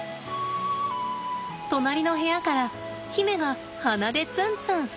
隣の部屋から媛が鼻でツンツン。